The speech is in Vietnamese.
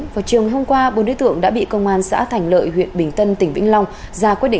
vào chiều hôm qua bốn đối tượng đã bị công an xã thành lợi huyện bình tân tỉnh vĩnh long